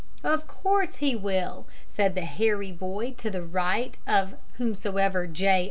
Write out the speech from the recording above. "Of corse he will," said the hairy boy to the right of Whomsoever J.